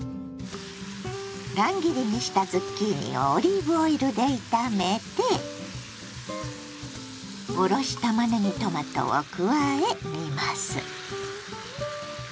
乱切りにしたズッキーニをオリーブオイルで炒めておろしたまねぎトマトを加え煮ます。